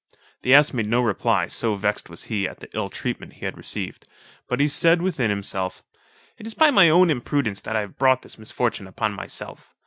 The ass made no reply, so vexed was he at the ill treatment he had received; but he said within himself, "It is by my own imprudence I have brought this misfortune upon myself.